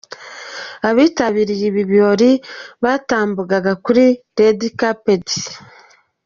Abitabiriye ibi birori batambukaga kuri Red Carpet.